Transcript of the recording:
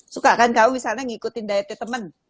suka kan kamu misalnya ngikutin dietnya teman